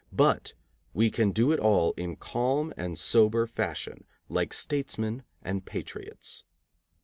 But we can do it all in calm and sober fashion, like statesmen and patriots.